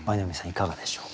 いかがでしょうか？